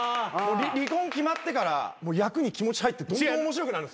離婚決まってから役に気持ち入ってどんどん面白くなる。